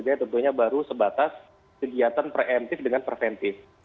terjaya tentunya baru sebatas kegiatan preventif dengan preventif